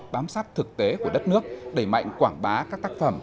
bám sát thực tế của đất nước đẩy mạnh quảng bá các tác phẩm